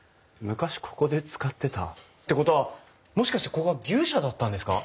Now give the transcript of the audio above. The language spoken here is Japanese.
昔ここで使ってた？ってことはもしかしてここは牛舎だったんですか？